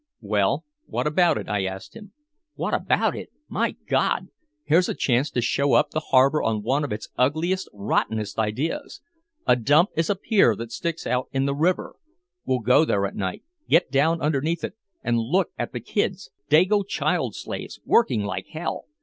"Well, what about it?" I asked him. "What about it? My God! Here's a chance to show up the harbor on one of its ugliest, rottenest ideas! A dump is a pier that sticks out in the river. We'll go there at night, get down underneath it and look at the kids Dago child slaves working like hell.